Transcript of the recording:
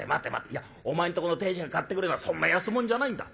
いやお前んとこの亭主が買ってくるようなそんな安物じゃないんだ。